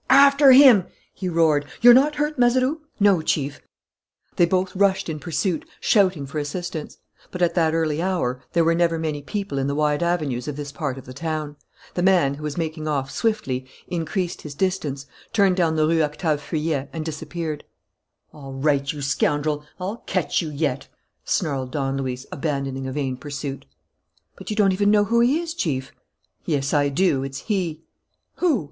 "After him!" he roared. "You're not hurt, Mazeroux?" "No, Chief." They both rushed in pursuit, shouting for assistance. But, at that early hour, there are never many people in the wide avenues of this part of the town. The man, who was making off swiftly, increased his distance, turned down the Rue Octave Feuillet, and disappeared. "All right, you scoundrel, I'll catch you yet!" snarled Don Luis, abandoning a vain pursuit. "But you don't even know who he is, Chief." "Yes, I do: it's he." "Who?"